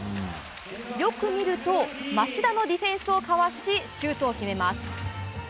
よく見ると町田のディフェンスをかわしシュートを決めます。